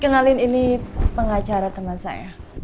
kenalin ini pengacara teman saya